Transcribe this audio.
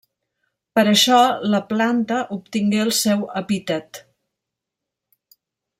Per això, la planta obtingué el seu epítet.